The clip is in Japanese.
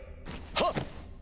はっ！